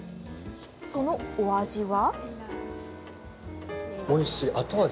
そのお味は。